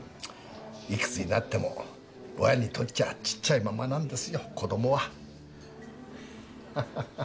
いくつになっても親にとっちゃちっちゃいままなんですよ子供は。ハハハ。